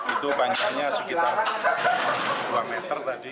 itu banyaknya sekitar dua meter